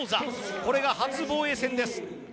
これが初防衛戦です。